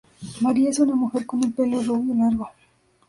Maria es una mujer con el pelo rubio largo.